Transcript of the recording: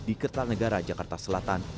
di ketal negara jakarta selatan